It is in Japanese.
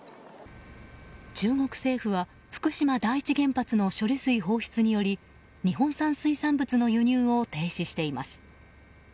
中国政府は、福島第一原発の処理水放出により日本産水産物の輸入を停止しています。